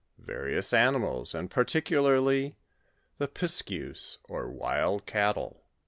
rAHioua akiuals, and particularly the pisikiovs or wild CATTLE.